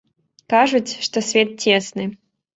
Кажуць, што свет цесны.